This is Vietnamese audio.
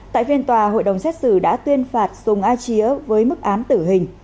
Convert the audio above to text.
tại phiên tòa hội đồng xét xử đã tuyên phạt sùng a chía với mức án tử hình